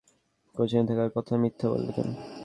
কোচিনে থাকার কথা মিথ্যা বললে কেন?